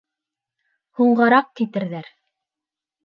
Һуңғараҡ китерҙәр.